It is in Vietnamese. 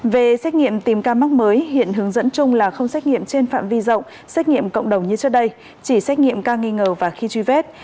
về xét nghiệm tìm ca mắc mới hiện hướng dẫn chung là không xét nghiệm trên phạm vi rộng xét nghiệm cộng đồng như trước đây chỉ xét nghiệm ca nghi ngờ và khi truy vết